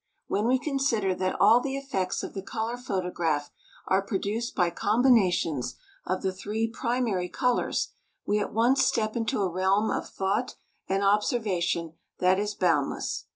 When we consider that all the effects of the color photograph are produced by combinations of the three primary colors we at once step into a realm of thought and observation that is boundless.